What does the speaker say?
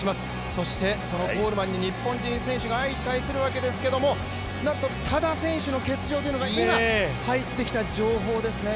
そしてそのコールマンに日本人選手が相対するわけですけれども、なんと多田選手の欠場というのが今、入ってきた情報ですね。